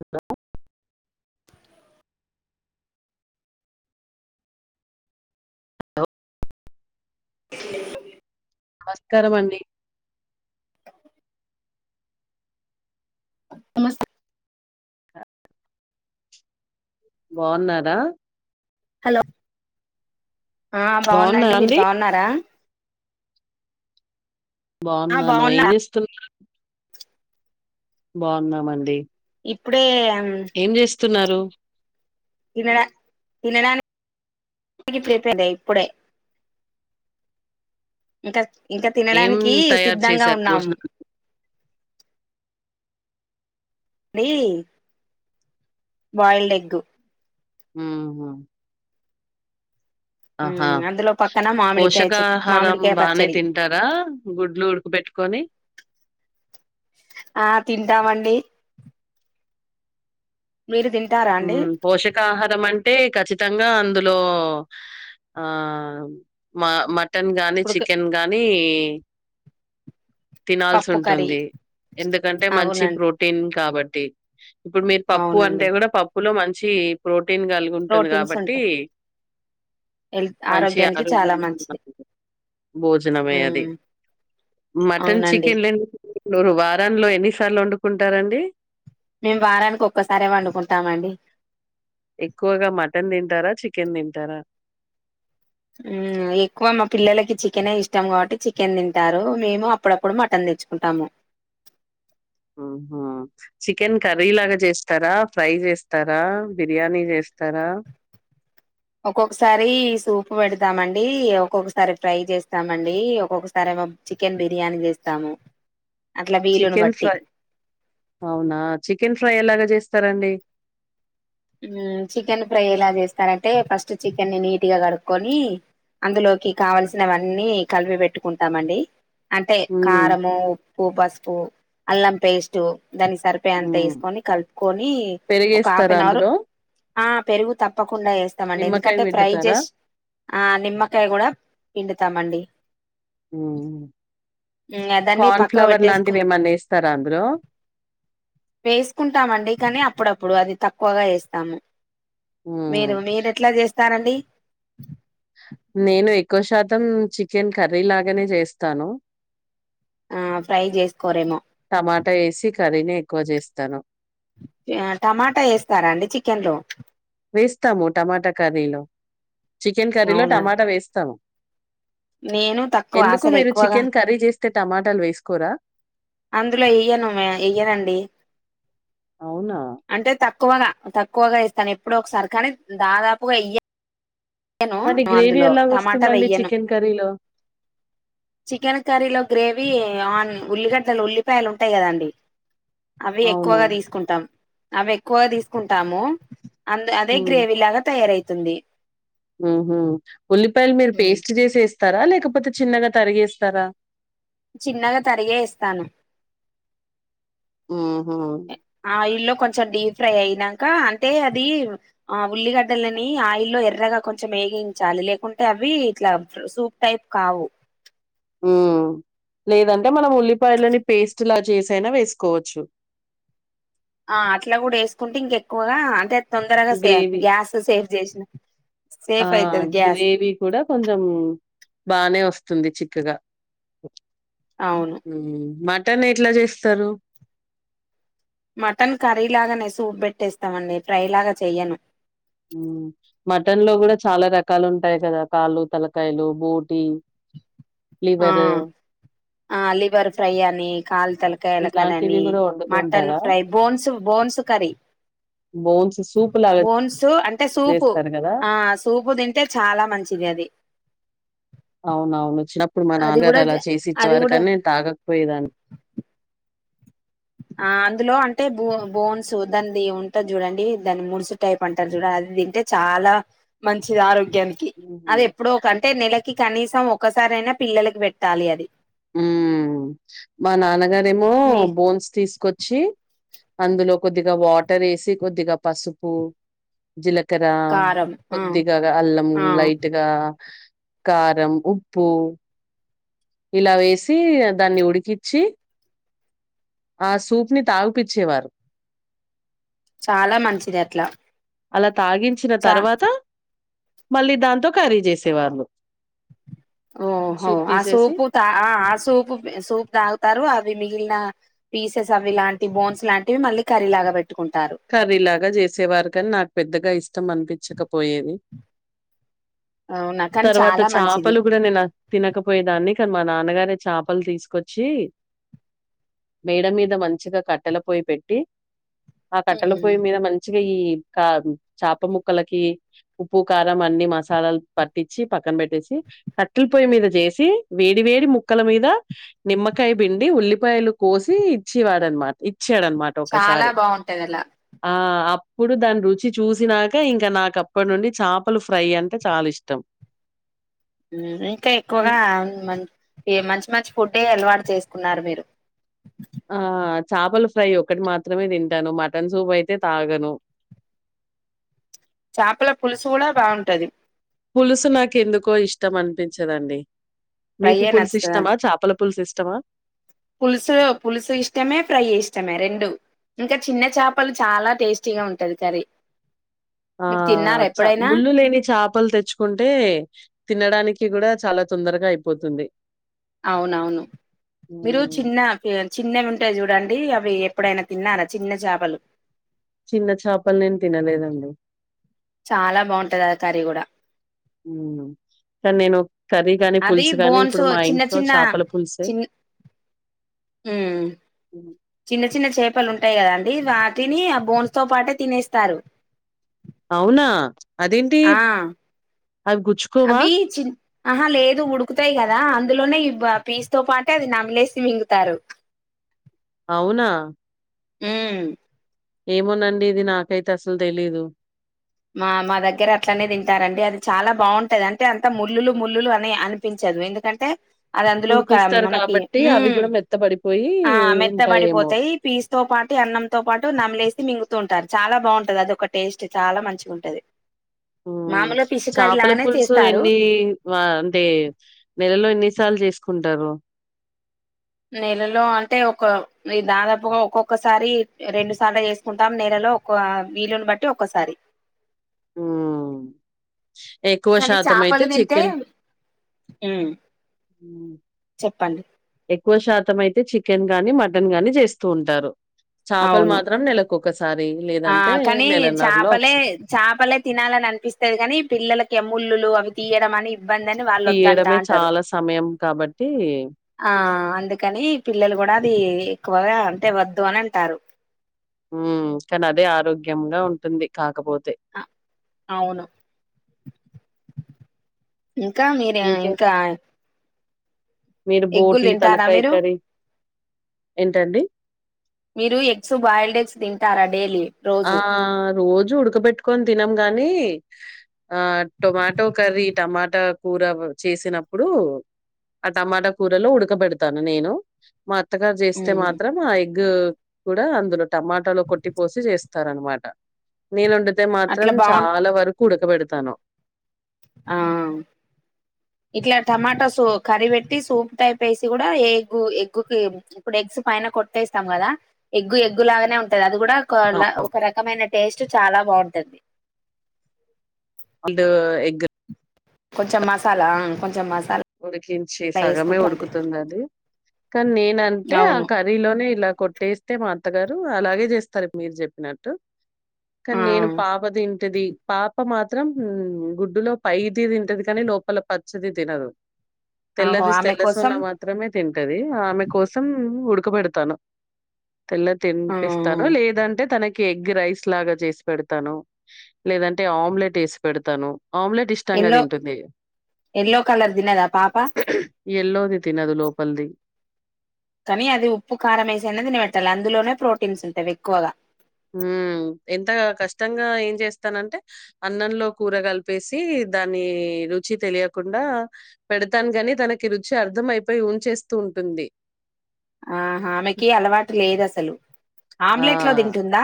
Hello నమస్కారమండి నమస్తే బావున్నారా? హలో ఆ బాగున్నండి బాగున్నారా మీరు అండి బాగున్నార? ఆ బాగున్నాను బాగున్నా ఏం చేస్తున్నా బాగున్నామండి ఇప్పుడే ఏం చేస్తున్నారు తినడ తినడానికి ఐపోయింది ఇప్పుడే [inaudible] ఇంకా ఇంక ఏం తినడానికి తయారు సిద్ధంగా చేశారు ఉన్నాం భోజనం దీ బాయిల్డ్ ఎగ్గు ఉహు ఆహా అందులో పక్కన మామిడికాయ చె పోషకాహారం మామిడికాయ బానే పచ్చడి తింటారా గుడ్లు ఉడుకు పెట్టు కొని ఆ తింటామండి మీరు తింటారా అండి ఉమ్ పోషకాహారమంట్ అంటే ఖచ్చితంగా అందులో ఆ మ మట్ మటన్ గాని ఉడక చికెన్ గానీ తినాల్సి పప్పు కర్రీ ఉంటుంది ఎందుకంటె మంచి అవునండి ప్రోటీన్ కాబట్టి ఇప్పుడు మీరు పప్పు అవునండి అంటె కూడా పప్పులో మంచి ప్రోటీన్ కలిగి ఉంటుంది ప్రోటీన్స్ కాబట్టి ఉంటాయి హెల్త్ ఆరోగ్యానికి చాలా మంచిది బోజనమే అది ఉమ్, ఉ మటన్ అవునండి చికెన్ లేండిరు వారాల్లో ఎన్నిసార్లు వండుకుంటారండి [inaudible] మేమ్ వారానికి ఒక్కసారే వండుకుంటామండి ఎక్కువగా మటన్ తింటారా చికెన్ తింటారా ఉమ్ ఎక్కువ మా పిల్లలకి చికెనే ఇష్టం కాబట్టి చికెన్ తింటారు మేము అప్పుడప్పుడు మటన్ తెచ్చుకుంటాము ఉహు చికెన్ కర్రీ లాగా చేస్తరా ఫ్రై చేస్తరా బిర్యానీ చేస్త స్తరా ఒక్కొక్కసారి సూప్ పెడతామండి ఒక్కొక్కసారి ఫ్రై చేస్తామండి ఒక్కొక్కసారి చికెన్ బిర్యాని చేస్తాము అట్లా వీలును చికెన్ బట్టి ఫ్రై అవునా చికెన్ ఫ్రై లాగ చేస్తరండి ఉమ్ చికెన్ ఫ్రై ఎలా చేస్తారంటే ఫస్ట్ చికెన్ని నీట్గ కడుక్కకొని అందులోకి కావలసినవన్నీ కలిపి పెట్టుకుంటామండి అంటే ఉమ్ కారము, ఉప్పు ఉప్పు, పసుపు, అల్లం పేస్టు దాని సరిపోయే అంత ఉమ్ ఏసుకొని కలుపుకొనీ ఒక హాఫ్ పెరిగేస్తారా అన్ అవరు అందులో ఆ పెరుగు తప్పకుండా ఏస్తమండి నిమ్మకాయ ఎందుకంటే ఫ్రై పిండుతారా జేశ్ ఆ నిమ్మకాయ గూడా పిండుతామండి. ఊహు ఉ అ దాన్నీ పక్కక్ పెట్టేసుకోఆల్ ఏమన్నా ఏస్తారా అందులో వేసుకుంటామండి కానీ అప్పుడప్పుడు అది తక్కువగా ఏస్తాము. ఉమ్ మీరు మీరెట్లా చేస్తారండి. నేను ఎక్కువ శాతం చికెన్ కర్రీ లాగానే జేస్తాను. ఆ ఫ్రై చేసుకోరేమో. వాట ఏసి కర్రీనే ఎక్కువ జేస్తాను. యా టమాటా ఏస్తారా అండి చికెన్ లో వేస్తాము టమాటా కర్రీలో చికెన్ కర్రీలో అవునా టమాటా వేస్తాము. నేను తక్కువ ఎందుకు అసలు మీరు ఎక్కువగా చికెన్ కర్రీ చేస్తే టమాటాలు వేసుకోరా. అందులో ఎయ్యను మే ఎయ్యనండి. అవునా అంటే తక్కువగా తక్క్ క్కువగా ఏస్తాను ఎప్పుడో ఒకసారి కానీ దాదాపుగా ఎయ్యన్ యనూ మరి గ్రేవీ అందులో ఎలాగ టమాట వస్తుందండి వెయ్యను. చికెన్ కర్రీలో చికెన్ కర్రీలో గ్రేవీ ఆన్ ఉల్లిగడ్డలు ఉల్లిపాయలు ఉంటాయి గదా అండి. అవి అవును ఎక్కువగా తీసుకుంటాం. అవి ఎక్కువగా తీసుకుంటాము. అంద్ అదే గ్రేవీ లాగా తయారయితుంది. ఊహు ఉల్లిపాయలు మీరు పేస్ట్ జేసి ఏస్ స్తరా లేకపోతే చిన్నగా తరిగేస్తారా. చిన్నగా తరిగే ఏస్తాను. ఊహు ఆయిల్లో కొంచెం డీప్ ఫ్రై అయినాంకా అంటే అదీ ఆ ఉల్లిగడ్డలనీ ఆయిల్లో ఎర్రగా కొంచెం ఏ ఏయించాలి లేకుంటే అవ్వీ ఇట్లా సూప్ టైప్ కావు. [inaudible] ఊ లేదంటే మనం ఉల్లిపాయలని పేస్ట్ లా చేసైనా వేసుకోవచ్చు. [inaudible] ఆ అట్లా గూడా ఏసుకుంటే ఇంక ఎక్కువగా అంటే తొందరగా సే గ్రేవీ. గ్యాస్ సేఫ్ చేశినట్ ఆ గ్రేవీ కూడా కొంచెం బానే వస్త్ స్తుంది చిక్కగా అవును ఉమ్ మట్ టన్ ఎట్ల జేస్తరు మటన్ కర్రీలాగానే సూప్ పెట్టేస్తామండి ఫ్రై లాగా చెయ్యను. ఊ మటన్ లో గూడా చాలా రకాలు ఉంటాయి గదా కాళ్ళు, తలకాయలు, బోటీ లివరూ ఆ లివర్ ఫ్రైయనీ కాల్ తలకాయల ఇలాంటివి కర్రనీ, గూడా వండుతూ మటన్ ఉంటారా? Fry bones bones curry bones soup లాగా బోన్సు అంటే సూపు చేస్తారు గదా! ఆ సూపు తింటే చాలా మంచిది అది. [inaudible] అవునవును వచ్చినప్పుడు మా అది నాన్నగారు కూడా అలా జ చేసి అది ఇచ్చేవారు కూడా కానీ నేన్ తాగకపోయేదాన్ని. ఆ అందులో అంటే బో బోన్సు దాన్ది ఉంటది చూడండి దాన్ని ముడుసు టైప్ అంటరు చూడు అద్ అది తింటే చాలా మంచిది ఆరోగ్ గంకి హుహు. అది ఎప్పుడో ఒక అంటే నెలకి కనీసం ఒకసారి అయినా పిల్లలకి పెట్టాలి అది హ్మ్ మా నాన్నగారేమో మీ బోన్స్ తీసుకొచ్ చ్చి అందులో కొద్దిగా వాటర్ వేసి కొద్దిగా పసుపు జిల క్కర కారం ఆ కొద్దిగా అల్లం ఆ లైట్గా కారం ఉప్పు ఇలా వేసి దాన్ని ఉడికిచ్చి ఆ సూప్ ని తాగుపిచ్చేవారు చాలా మంచిది అట్లా అలా తాగించిన చ తర్వాత మళ్ళీ దాంతో కర్రీ చేసేవాళ్ళు ఓహో ఆ సూపు త ఆ ఆ సూపు సూప్ తాగుతారు అవి మీ లిన పీసెస్ అవి ఇలాంటి బోన్స్ లాంటివి మళ్ళీ కర్రీ లాగా పెట్ కర్రీలాగా చేసేవారు కాని నాకు పెద్దగా ఇష్టం అనిపిచ్చకపోయేది అవునా కానీ తర్వాత చాలా మంచిది చాపలు కూడా నేను తినకపోయేదాన్ని కానీ మా నాన్నగారే చాపలు తీసుకొచ్చి మేడ మీద మంచిగా కట్టెల పోయి పెట్టి ఆ కట్టల ఉమ్ పొయ్యి మీద మంచిగా ఈ కా చాప ముక్కలకి ఉప్పు కారం అన్ని మసాలాలు పట్టిచ్చి పక్కన పెట్టేసి కట్టెల పొయ్యి మీద చేసి వేడి వేడి ముక్కల మీద నిమ్మకాయ పిండి ఉల్లిపాయలు కోసి ఇచ్చివాడనమాట ఇచ్చాడనమాట ఒకసారి ట్టగల ఆ అప్పుడు దాని రుచి చూసినాకె ఇంకా నాకు అప్పటి నుండి చేపలు ఫ్రై అంటే చాలా ఇష్టం హ్మ్ ఇంకా ఎక్కువగా హ్మ్. మన్ ఈ మంచి మంచి ఫుడ్డే అలవాటు చేసుకున్నారు మీరు చాపల ఫ్రై ఒకటి మాత్రమే తింటాను మటన్ సూప్ అయితే తాగను చాపల పులుసు కూడా బాగుంటది పులుసు నాకు ఎందుకో ఇష్టం అనిపించదండి ఫ్రై మీకు పులుసు నచ్చుతదా ఇష్టమా చాపల పులుసు ఇష్టమా పులుసు పులుసు ఇష్టమే ఫ్రై ఇష్టమే రెండు ఇంకా చిన్న చాపలు చాలా టేస్టీగా ఉంటది కర్రీ ఆ మీరు తిన్నారా చ ఎప్పుడైనా ముళ్ళు లేని చాపలు తెచ్చుకుంటే తినడానికి కూడా చాలా తొందరగా అయిపోతుంది అవునవును మీరు హ్మ్. చిన్న ఈ చిన్నవి ఉంటాయి చూడండి అవ్ వి ఎప్పుడైనా తిన్నారా చిన్న చాపలు చిన్న చాపలు నేను తినలేదండి చాలా బాగుంటది ఆ కర్రీ కూడా మ్మ్ కానీ నేను కర్రీ గాని అది పులుసు గాని బోన్స్ ఇప్పుడు మా చిన్న ఇంట్లో చాపల పులుసే మ్మ్ హ్మ్. చిన్న చిన్న చేపలు ఉన్ టాయి కదా అండి వాటిని ఆ బోన్స్ తో పాటే తినేస్తారు అవునా అదేంటి ఆ అవి గుచ్చుకోవా? అవి చి ఆహా లేదు ఉడుకుతాయి కదా అందులోనే ఇవ్ బా పీస్ తో పాటె అది నమ్మిలేసి మింగుతారు అవునా మ్మ్ ఏమోనండి ఇది నాకైతే అసలు తెలీదు మా మా దగ్గర అట్లనే తింటారండి అది చాలా బాగుంటది అంటే అంత ముళ్ళులు ముళ్ళులు అని అనిపించ చదువు ఎందుకంటే అది అందులో ఉడికిస్తారు మనకి కాబట్టి ఊ అవి గూడా మెత్తబడిపోయి ఆ ఉంటాయేమో. మెత్తబడిపోతాయి పీస్ తో పాటు అన్నంతో పాటు నమలేసి మింగుతూ ఉంటారు చాలా బాగుంటది అద ఒక టేస్ట్ చాలా మంచి ఉంటది ఉ మామూలుగా ఫిష్ కర్రీ చేపల లాగానే పులుసు చేస్తారు ఎన్ని అంటే నెలలో ఎన్ని సార్లు చేసుకుంటారు నెలలో అంటే ఒక దాదాపుగా ఒక్కొక్కసారి రెండు సార్లు చేసుకుంటాం నెలలు లోకువ వీలుని బట్టి ఒక్కసారి ఉ ఎక్కువ శాతం అయితే చికెన్ ఉ హ్మ్. చెప్పండి ఎక్కువ శాతం అయితే చికెన్ గానీ మటన్ గాని చేస్తూ ఉంటారు చాపలు అవును మాత్రం నెలకు ఒకసారి ఆ కానీ చాపలే చాపలే తినాలని అనిపిస్తది కాని పిల్లలకి ఏమో ముల్లులు అవి తీయడం అని ఇబ్బంది అని వాళ్ళు వద్దంటా తీయడమే అంటారు చాలా సమయం కాబట్టి ఆ అందుకని పిల్లలు కూడా అది ఎక్కువగా అంటే వద్దు అని అంటారు ఉ కానీ అదే ఆరోగ్యంగా ఉంటుంది కాకపోతే అ అవును ఇంకా మీరు ఇంకే ఇంకా మీరు ఎగ్గులు బోటి, తింటారా తలకాయ మీరు కర్రీ ఏంటండి? మీరు ఎగ్స్ బాయిల్డ్ ఎగ్స్ తింటారా డైలీ ఆ రోజు రోజు ఉడకబెట్టుకొని తినం గాని ఆ టొమాటో కర్రీ టమాటా కూర చేసినప్పుడు ఆ టమాటా కూరలో ఉడకబెడతాను నేను మా అత్తగారు చేస్తే మ్మ్ మాత్రం ఆ ఎగ్ కూడా అందులో టమాటాలో కొట్టి పోసి చేస్త రనమాట నేను వండితే మాత్రం అట్లా బాగుం చాలా వరకు ఉడకబెడతాను ఆ ఇట్లా టమాటా సో కర్రీ పెట్టి సూప్ టైప్ వేసి కూడా ఎగ్ ఎగ్ కి ఇప్పుడు ఎ పైన కొట్టేస్తాం కదా ఎగ్ ఎగ్ లాగానే ఉంటది అ కూడా ఒక అవును. ఒక రకమైన టేస్ట్ చాలా బాగుంటది అండ్ ఎగ్ కొంచెం మసాలా కొంచం మసాల ఉడికించి సగమే ఉడుకుతుంది అది కానీ నేనంటే ఆ అవును కర్రీలోనే ఇలా కొట్టేస్తే మా అత్తగారు అలాగే చేస్తారు మీరు చెప్పినట్టు ఆ కానీ నేను పాప తింటది పాప పాప మాత్రం గుడ్డులో పైది తింటది కానీ లోపల పచ్చది తినదు ఆహో తెల్లది ఆమె తెల్ల శి న కోసం మాత్రమే తింటది ఆమె కోసం ఉడు ఉడక బెడతాను తెల్లది ఆ తిపిస్తాను లేదంటే తనకి ఎగ్ రైస్ లాగా చేసి పెడతాను లేదంటే ఆమ్లెట్ వేసి పెడతాను ఆమ్లెట్ ఇష్టంగా తింటుంది తీన్నదా పాపా ఎల్లోది తినదు లోపలిది కానీ అది ఉప్పు కారం వేసి అన్న తినమెట్టల అందులోనే ప్రోటీన్స్ ఉంటయి ఎక్కువగా ఉ ఎంత కష్టంగా ఏం చేస్తానంటే అన్నంలో కూర కలిపేసి దాని రుచి తెలియకుండా పెడతాను గాని తనకి రుచి అర్థం అయిపోయి ఊంచేస్తూ ఉంటుంది ఆ ఆమెకి అలవాటు లేదు అసలు ఆమ్లెట్ లో తింటుందా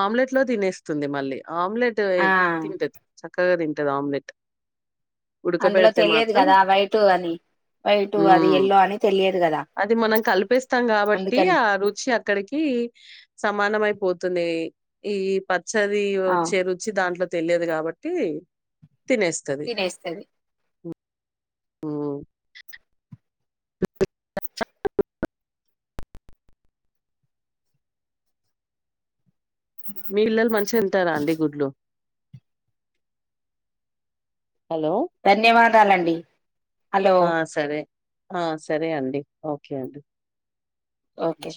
ఆమ్లెట్ లో తినేస్తుంది మళ్ళీ ఆమ్లెట్ ఆ తింటది చక్కగా తింట తింటది ఆమ్లెట్ అందులో ఉడకబెడితే తెలియదు మాత్రం కదా వైట్ అని వైట్ అది హ్మ్. ఎల్లో అని తెలియదు కదా అది మనం కల్పస్తాం కాబట్టి అందుకని ఆ రుచి అక్కడికి సమానమయిపోతున్నాయి ఈ పచ్చది ఆ వచ్చే రుచి దాంట్లో తెలియదు కాబట్టి తినేస్తది తినేస్తది ఉమ్ మీ పిల్లలు మంచిగ తింటారా అండి గుడ్లు హలో ధన్యవాదాలండి హలో ఆ సరే ఆ సరే అండి ఓకే అండి ఓకే